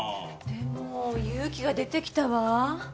でも勇気が出てきたわ。